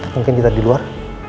mungkin kita di luar